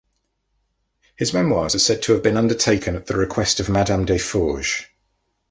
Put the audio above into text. His memoirs are said to have been undertaken at the request of Madame Desforges.